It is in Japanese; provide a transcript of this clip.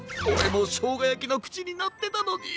もうしょうがやきのくちになってたのに。